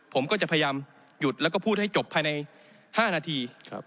ผมก็จะพยายามหยุดแล้วก็พูดให้จบภายใน๕นาที